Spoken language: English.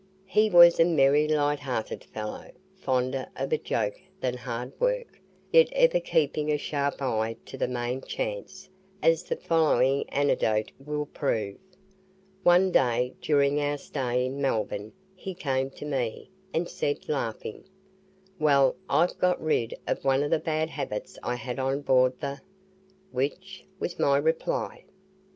He was a merry light hearted fellow, fonder of a joke than hard work, yet ever keeping a sharp eye to the "main chance," as the following anecdote will prove. One day during our stay in Melbourne he came to me, and said, laughing: "Well! I've got rid of one of the bad HABITS I had on board the ." "Which?" was my reply.